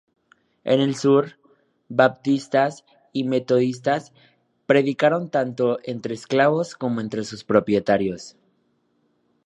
En el sur, baptistas y metodistas predicaron tanto entre esclavos como entre sus propietarios.